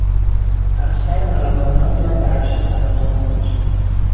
افسر ملوانان را به عرشه فراخواند.